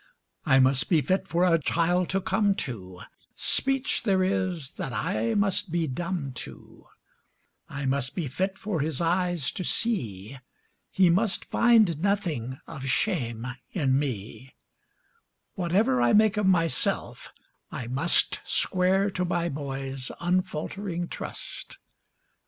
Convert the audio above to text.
I must be fit for a child to come to, Speech there is that I must be dumb to; I must be fit for his eyes to see, He must find nothing of shame in me; Whatever I make of myself, I must Square to my boy's unfaltering trust.